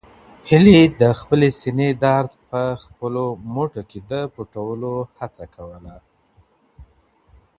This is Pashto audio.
هیلې د خپلې سېنې درد په خپلو موټو کې د پټولو هڅه کوله.